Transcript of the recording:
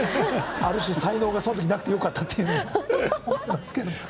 ある種才能がその時なくてよかったっていうふうに思ったんですけど。